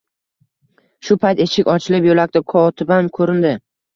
Shu payt eshik ochilib, yo'lakda kotibam ko'rindi